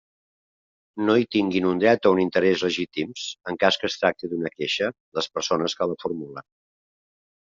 No hi tinguin un dret o un interès legítims, en cas que es tracti d'una queixa, les persones que la formulen.